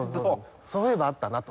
「そういえばあったな」と。